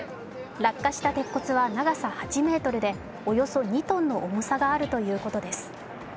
落下した鉄骨は長さ８ｍでおよそ２ｔの重さがあるということです。